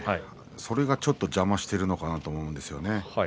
それがちょっと邪魔してるのかなと思うんですよね。